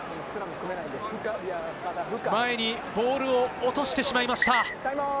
前にボールを落としてしまいました。